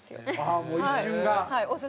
はい。